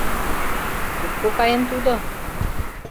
Кушко каен тудо?